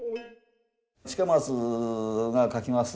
近松が書きます